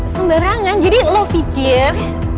sembarangan jadi lo pikir